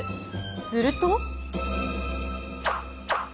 すると。